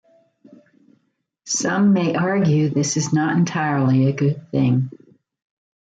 Some may argue this is not entirely a good thing.